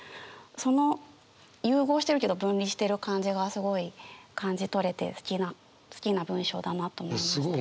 その融合してるけど分離してる感じがすごい感じ取れて好きな文章だなと思いました。